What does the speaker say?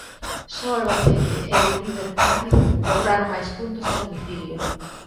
Só Albacete e o líder Cádiz lograron máis puntos a domicilio.